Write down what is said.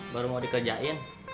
baru mau dikerjain